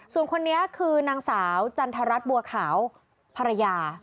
ส่วนคนนี้คือนางสาวจันทรัศบัวขาวภรรยา